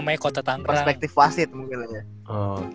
iya gue gak tau lah mungkin perspektif facit mungkin aja